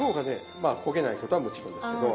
まあ焦げないことはもちろんですけど。